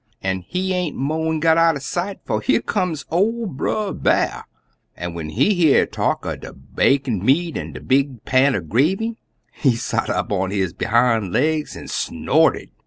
"An' he aint mo'n got out'n sight, 'fo' here come ol' Brer B'ar, an' when he hear talk er de bakin' meat an' de big pan er gravy, he sot up on his behime legs an' snored.